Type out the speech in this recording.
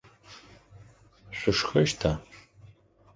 Шъущхэщта?